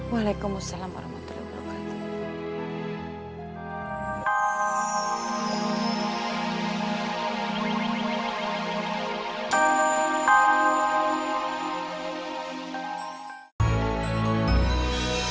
waalaikumsalam warahmatullahi wabarakatuh